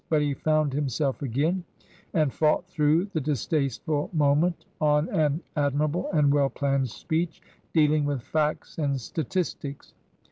But he found himself again, and fought through the distasteful moment on an admirable and well planned speech dealing with facts and statistics.